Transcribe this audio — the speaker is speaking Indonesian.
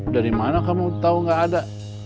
dari mana kamu tahu gak ada